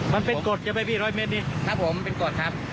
มันเป็นกฎใช่ไหมพี่ร้อยเมตรนี้ครับผมเป็นกฎครับ